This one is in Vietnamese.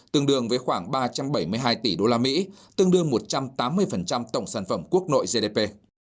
tương đương với khoảng ba trăm bảy mươi hai tỷ usd tương đương một trăm tám mươi tổng sản phẩm quốc nội gdp